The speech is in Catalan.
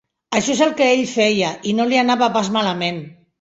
Això és el que ell feia, i no li anava pas malament.